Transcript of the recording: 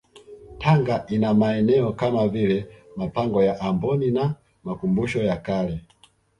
Tanga ina maeneo kama vile mapango ya Amboni na makumbusho ya kale